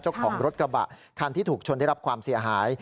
เจ้าของรถกระบะคันที่ถูกชนได้รับความเสียหาย